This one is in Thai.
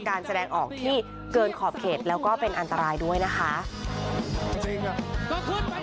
การแสดงออกที่เกินขอบเขตแล้วก็เป็นอันตรายด้วยนะคะ